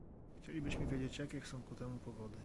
Chcielibyśmy wiedzieć, jakie są ku temu powody